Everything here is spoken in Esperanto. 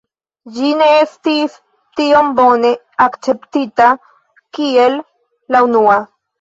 Ĝi ne estis tiom bone akceptita kiel la unua.